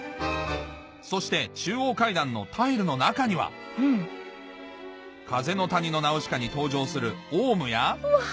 そして中央階段のタイルの中には『風の谷のナウシカ』に登場する王蟲やワオ！